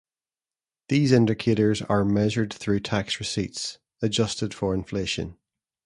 These indicators are measured through tax receipts, adjusted for inflation.